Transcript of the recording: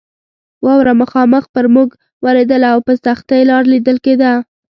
واوره مخامخ پر موږ ورېدله او په سختۍ لار لیدل کېده.